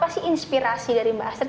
apa sih inspirasi dari mbak astrid